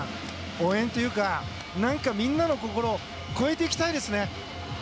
応援というか何かみんなの心を超えていきたいですね。